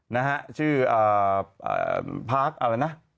นะฮะชื่อเอ่อพาร์คอะไรนะ